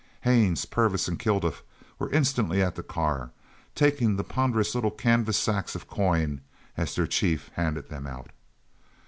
Haines, Purvis, and Kilduff were instantly at the car, taking the ponderous little canvas sacks of coin as their chief handed them out.